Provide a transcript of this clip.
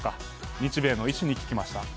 日米の医師に聞きました。